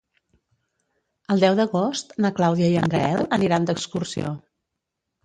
El deu d'agost na Clàudia i en Gaël aniran d'excursió.